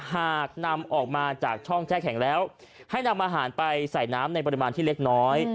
หากนำออกมาจากช่องแช่แข็งแล้วให้นำอาหารไปใส่น้ำในปริมาณที่เล็กน้อย